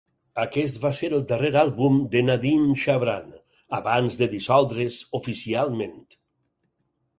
Aquest va ser el darrer àlbum de Nadeem-Shavran abans de dissoldre's oficialment.